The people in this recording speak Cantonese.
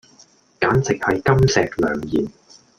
簡直係金石良言